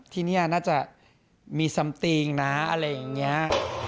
ที่นี่น่าจะมีซัมติงนะอะไรอย่างนี้